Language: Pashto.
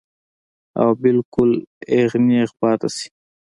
او بالکل اېغ نېغ پاتې شي -